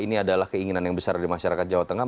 ini adalah keinginan yang besar dari masyarakat jawa tengah